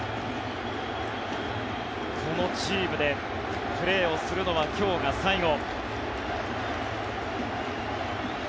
このチームでプレーをするのは今日が最後。